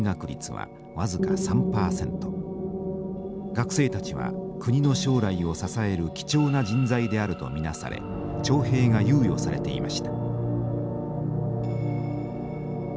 学生たちは国の将来を支える貴重な人材であると見なされ徴兵が猶予されていました。